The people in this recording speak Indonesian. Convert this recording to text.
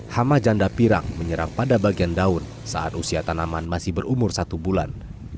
hama janda pirang menyerang pada bagian daun saat usia tanaman masih berumur satu bulan